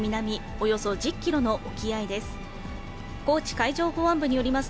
およそ１０キロの沖合です。